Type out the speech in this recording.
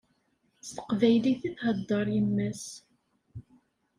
S teqbaylit i theddeṛ yemma-s.